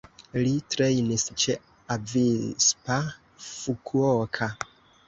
Li trejnis ĉe Avispa Fukuoka.